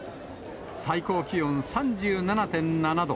最高気温３７．７度。